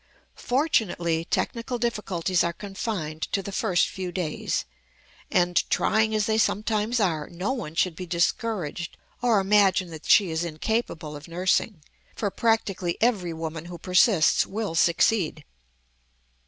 Fortunately technical difficulties are confined to the first few days, and, trying as they sometimes are, no one should be discouraged or imagine that she is incapable of nursing; for practically every woman who persists will succeed.